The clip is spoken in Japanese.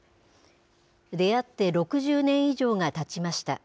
出会って６０年以上がたちました。